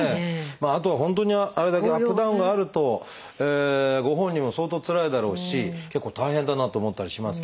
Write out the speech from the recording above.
あと本当にあれだけアップダウンがあるとご本人も相当つらいだろうし結構大変だなと思ったりしますけれど。